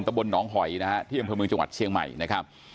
ตะบลหนองหอยนะฮะเที่ยงพระมือจังหวัดเชียงใหม่นะครับ